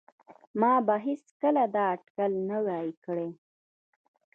ما به هیڅکله دا اټکل نه وای کړی